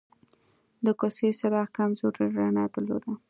د کوڅې څراغ کمزورې رڼا درلوده.